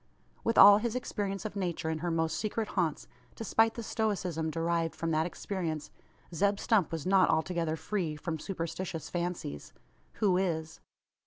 With all his experience of Nature in her most secret haunts despite the stoicism derived from that experience Zeb Stump was not altogether free from superstitious fancies. Who is?